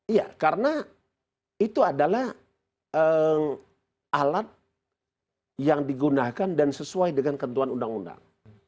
iya karena itu adalah alat yang digunakan dan sesuai dengan kentuhan undang undang